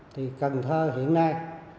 thì cần thơ hiện nay